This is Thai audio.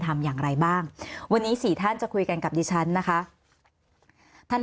ทำอย่างไรบ้างวันนี้สี่ท่านจะคุยกันกับดิฉันนะคะท่าน